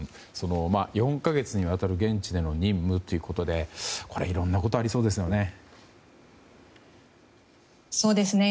４か月にわたる現地での任務ということでいろんなことがありそうですよね。